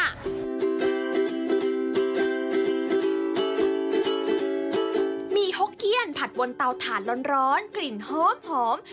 มีหกเกี้ยนผัดบนเตาถ่านร้อนกลิ่นหอม